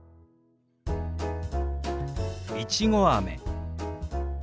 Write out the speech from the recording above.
「いちごあめ」。